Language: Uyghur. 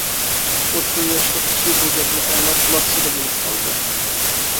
ئوتتۇرا ياشلىق كىشى بۇ گەپنى ئاڭلاپ لاسسىدە بولۇپ قالدى.